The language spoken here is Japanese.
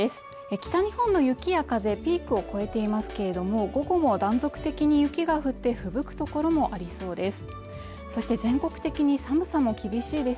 北日本の雪や風ピークを越えていますけれども午後も断続的に雪が降ってふぶく所もありそうです